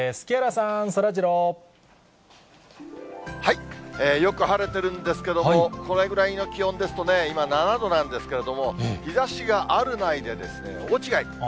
木原さん、そらジロー。よく晴れてるんですけども、これぐらいの気温ですとね、今、７度なんですけれども、日ざしがあるないで大違い。